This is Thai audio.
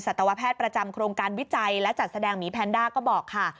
ตวแพทย์ประจำโครงการวิจัยและจัดแสดงหมีแพนด้าก็บอกค่ะ